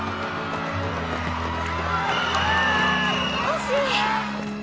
惜しい！